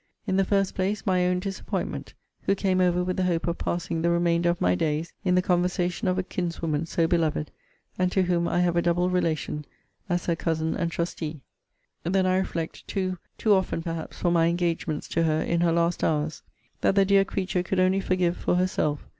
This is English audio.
In the first place; my own disappointment: who came over with the hope of passing the remainder of my days in the conversation of a kinswoman so beloved; and to whom I have a double relation as her cousin and trustee. Then I reflect, too, too often perhaps for my engagements to her in her last hours, that the dear creature could only forgive for herself.